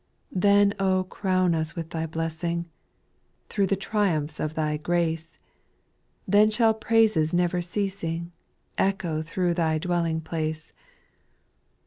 Then crown us with Thy blessing, Thro' the triumphs of Thy grace, Then shall praises never ceasing, Echo thro Thy dwelling place.